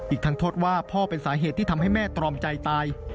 อีกทั้งโทษว่าพ่อเป็นสาเหตุที่ทำให้แม่ตรอมใจตาย